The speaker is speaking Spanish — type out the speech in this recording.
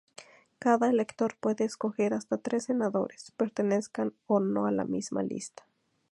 Cada elector puede escoger hasta tres senadores, pertenezcan o no a la misma lista.